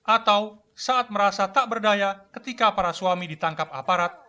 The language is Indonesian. atau saat merasa tak berdaya ketika para suami ditangkap aparat